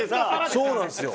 そうなんですよ。